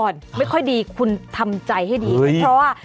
อ่อนไม่ค่อยดีคุณทำใจให้ดีเพราะว่า